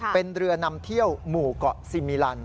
เป็นเรือนำเที่ยวหมู่เกาะซีมิลัน